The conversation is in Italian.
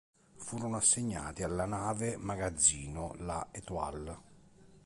Furono assegnati alla nave magazzino, la "Étoile".